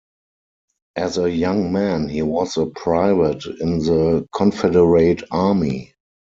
As a young man, he was a private in the Confederate Army.